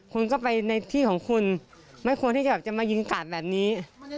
คุณก็ไปในที่ของคุณไม่ควรที่จะมายิงกันกันแบบนี้